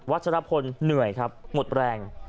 ชรพลเหนื่อยครับหมดแรง